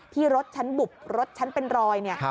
ที่รถชั้นบุบรถชั้นเป็นรอยนี่